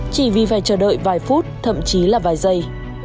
chỉ vì phải chờ đợi vài phút thậm chí là vài giây